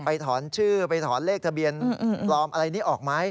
ถอนชื่อไปถอนเลขทะเบียนปลอมอะไรนี้ออกไหม